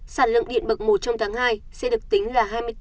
sản lượng điện bậc một trong tháng hai sẽ được tính là